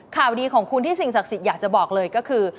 ข่าวดีของคุณที่สิ่งศักดิ์สิทธิ์อยากจะบอกเลยก็คือ